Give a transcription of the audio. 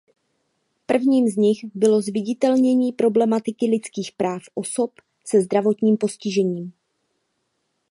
Prvním z nich bylo zviditelnění problematiky lidských práv osob se zdravotním postižením.